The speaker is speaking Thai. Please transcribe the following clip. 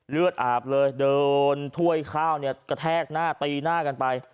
เลือดอาบเลยเดินถ้วยข้าวเนี่ยกระแทกหน้าตีหน้ากันไป